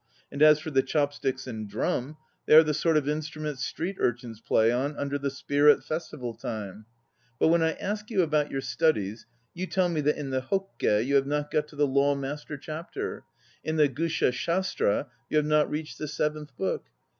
And as for the chop sticks and drum they are the sort of instruments street urchins play on under the Spear 2 at festival time. But when I ask about your studies, you tell me that in the Hokke you have not got to the Law Master Chapter, and in the Gusha shastra you have not reached the Seventh Book.